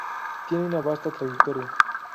Tienen una basta trayectoria.